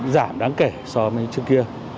giảm đáng kể so với trước kia